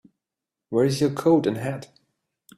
Where's your coat and hat?